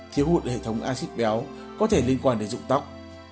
thiếu hụt hệ thống acid béo có thể liên quan đến dụng tóc